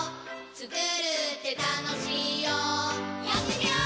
つくるってたのしいよやってみよー！